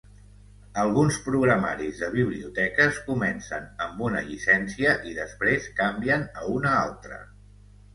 Alguns programaris de biblioteques comencen amb una llicència i després canvien a una altra.